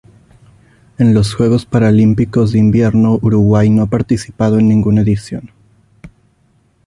En los Juegos Paralímpicos de Invierno Uruguay no ha participado en ninguna edición.